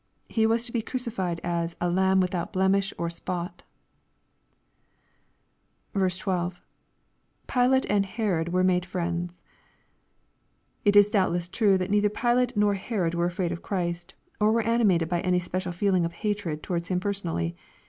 He was to be crucified as " a lamb without blemish or spot" • 12. — [Pilate and Herod were m^de friends,] It is doubtless true that neither Pilate nor Herod were afraid of Christ, or were animated by any special feeling of hatred towards Him personally.